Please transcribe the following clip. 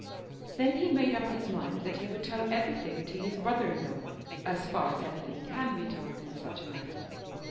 Then he made up his mind that he would tell everything to his brother in law, as far as everything can be told in such a matter.